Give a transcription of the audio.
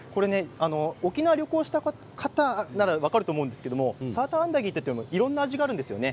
沖縄を旅行した方なら分かると思うんですけどサーターアンダギーといってもいろんな味があるんですよね。